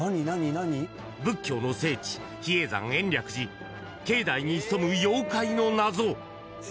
仏教の聖地・比叡山延暦寺境内に潜む妖怪の謎。